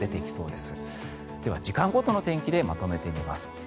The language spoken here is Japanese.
では、時間ごとの天気でまとめてみます。